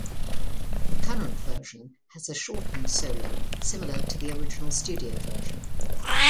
The current version has a shortened solo similar to the original studio version.